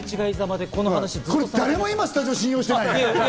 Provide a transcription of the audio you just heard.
今、誰もスタジオ信用してないね。